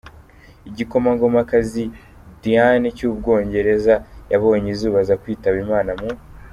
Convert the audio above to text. Igikomangomakazi Diana cy’ubwongereza yabonye izuba, aza kwitaba Imana mu .